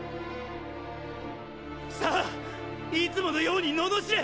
さぁいつものように罵れ！！